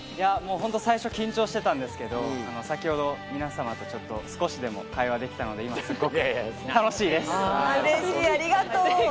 最初緊張してたんですけれども、先ほど皆さまとちょっと少しでも会話できたので、今すごく楽しいです。